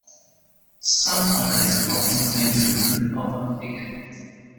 Some other interlockings may be removed or reconfigured.